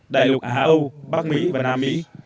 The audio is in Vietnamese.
đại lục á âu bắc mỹ và nam mỹ